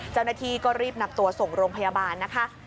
เจ้าหน้าที่ก็รีบนำตัวส่งโรงพยาบาลนะคะ